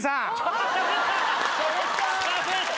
しゃべった！